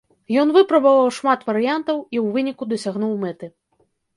Ён выпрабаваў шмат варыянтаў і ў выніку дасягнуў мэты.